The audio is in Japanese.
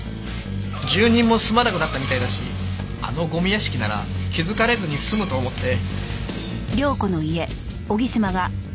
住人も住まなくなったみたいだしあのゴミ屋敷なら気づかれずに済むと思って。